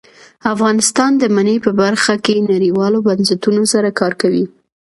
افغانستان د منی په برخه کې نړیوالو بنسټونو سره کار کوي.